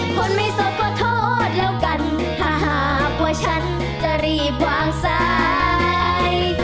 คนไม่สดก็โทษแล้วกันถ้าหากว่าฉันจะรีบวางซ้าย